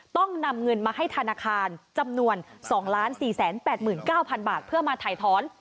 ต้องนำเงินมาให้ธนาคารจำนวน๒๔๘๙๐๐บาทเพื่อมาถ่ายถอน